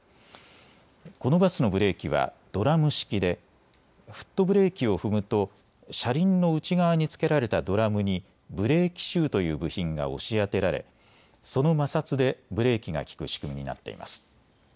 このバスのブレーキはドラム式でフットブレーキを踏むと車輪の内側につけられたドラムにブレーキシューという部品が押し当てられその摩擦でブレーキが利く仕組みになっています。